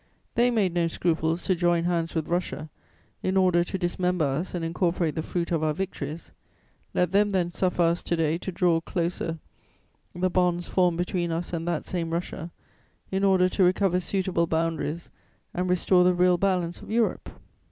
They made no scruples to join hands with Russia, in order to dismember us and incorporate the fruit of our victories; let them then suffer us to day to draw closer the bonds formed between us and that same Russia, in order to recover suitable boundaries and restore the real balance of Europe!